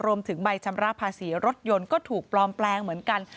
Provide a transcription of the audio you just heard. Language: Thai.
ใบชำระภาษีรถยนต์ก็ถูกปลอมแปลงเหมือนกัน